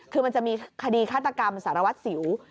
คือมันจะมีคดีฆาตกรรมสารวัตรสิว